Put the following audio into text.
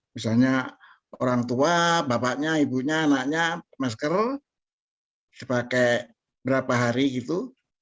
misalnya orang tua bapaknya ibunya anaknya masker dipakai berapa hari gitu